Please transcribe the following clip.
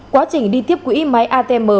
quá trình đi tiếp quỹ máy atm